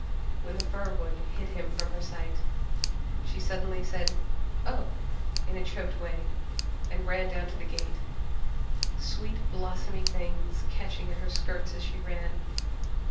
When the fir wood hid him from her sight she suddenly said "Oh," in a choked way and ran down to the gate, sweet blossomy things catching at her skirts as she ran.